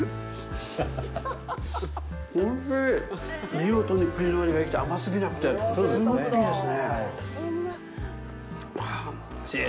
見事に栗の味が生きて、甘すぎなくて、すごくいいですね。